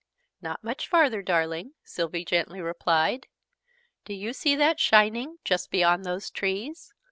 "Not much further, darling!" Sylvie gently replied. "Do you see that shining, just beyond those trees?